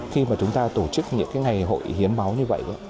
khi mà chúng ta tổ chức những ngày hội hiến máu như vậy